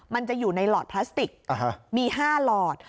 มันจะอยู่ในหลอดพลาสติกมี๕หลอด